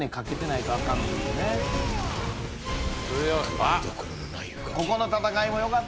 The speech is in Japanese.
あっ。